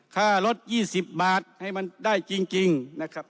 ค่ารถ๒๐บาทให้มันได้จริงนะครับ